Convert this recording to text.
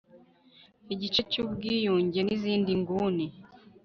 igice cyubwiyunge nizindi nguni